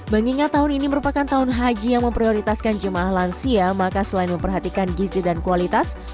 mengingat tahun ini merupakan tahun haji yang memprioritaskan jemaah lansia maka selain memperhatikan gizi dan kualitas